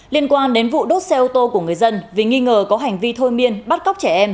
liên quan đến vụ đốt xe ô tô của người dân vì nghi ngờ có hành vi thôi miên bắt cóc trẻ em